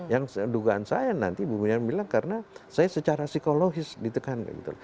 yang dugaan saya nanti ibu miriam bilang karena saya secara psikologis ditekan gitu